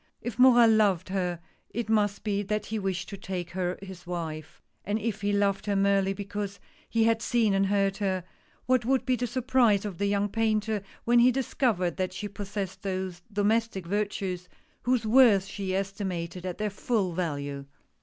If Morin loved her it must be that he wished to make her his wife, and if he loved her merely because he had seen and heard her, what would be the surprise of the young painter when he discovered that she possessed those domestic virtues whose worth she estimated at their full value.